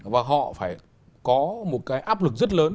và họ phải có một áp lực rất lớn